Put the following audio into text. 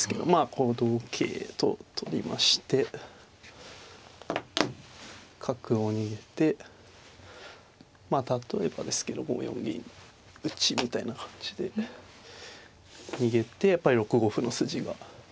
こう同桂と取りまして角を逃げてまあ例えばですけど５四銀打みたいな感じで逃げてやっぱり６五歩の筋が。